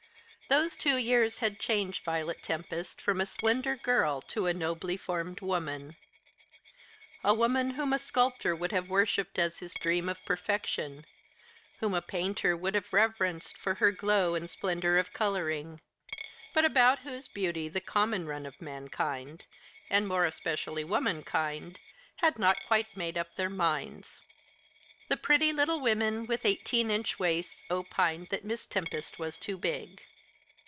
Those two years had changed Violet Tempest from a slender girl to a nobly formed woman; a woman whom a sculptor would have worshipped as his dream of perfection, whom a painter would have reverenced for her glow and splendour of colouring; but about whose beauty the common run of mankind, and more especially womankind, had not quite made up their minds. The pretty little women with eighteen inch waists opined that Miss Tempest was too big.